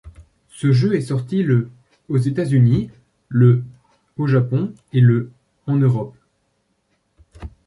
Ce jeu est sorti le aux États-Unis, le au Japon et le en Europe.